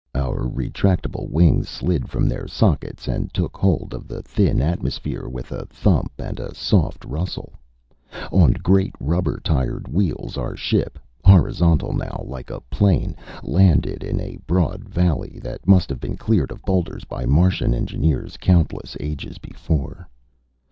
Our retractable wings slid from their sockets and took hold of the thin atmosphere with a thump and a soft rustle. On great rubber tired wheels, our ship horizontal now, like a plane landed in a broad valley that must have been cleared of boulders by Martian engineers countless ages before.